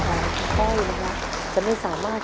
ก้อยนะครับจะไม่สามารถ